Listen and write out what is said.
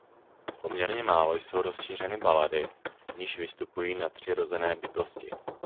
Poměrně málo jsou rozšířeny balady v nichž vystupují nadpřirozené bytosti.